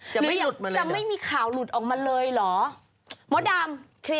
จะไม่หลุดมาเลยหรือ